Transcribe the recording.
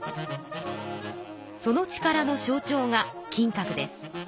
その力の象ちょうが金閣です。